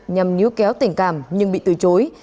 nhằm nhú kéo tình cảm nhưng bị từ chối